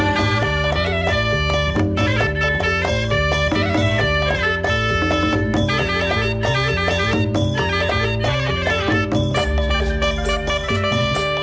ตอนต่อไป